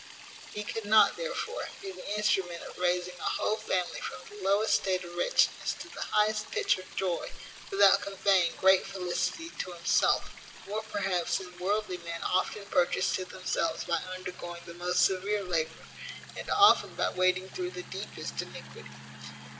He could not, therefore, be the instrument of raising a whole family from the lowest state of wretchedness to the highest pitch of joy without conveying great felicity to himself; more perhaps than worldly men often purchase to themselves by undergoing the most severe labour, and often by wading through the deepest iniquity.